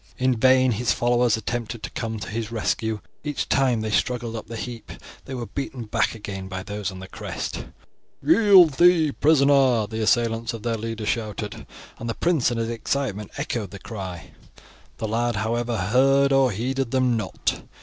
In vain his followers attempted to come to his rescue; each time they struggled up the heap they were beaten back again by those on the crest. "Yield thee prisoner," the assailants of their leader shouted, and the prince in his excitement echoed the cry. The lad, however, heard or heeded them not.